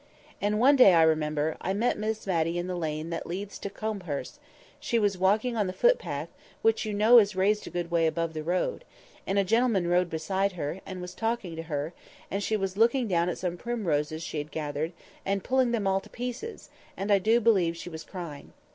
And one day, I remember, I met Miss Matty in the lane that leads to Combehurst; she was walking on the footpath, which, you know, is raised a good way above the road, and a gentleman rode beside her, and was talking to her, and she was looking down at some primroses she had gathered, and pulling them all to pieces, and I do believe she was crying.